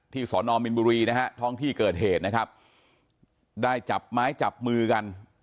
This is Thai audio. สอนอมินบุรีนะฮะท้องที่เกิดเหตุนะครับได้จับไม้จับมือกัน